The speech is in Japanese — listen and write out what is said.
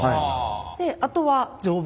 であとは丈夫。